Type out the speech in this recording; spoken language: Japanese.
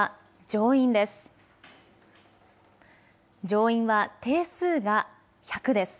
上院は定数が１００です。